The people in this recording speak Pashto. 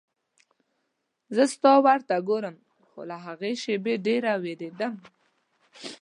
زه ستا ور ته ګورم خو له هغې شېبې ډېره وېرېدم.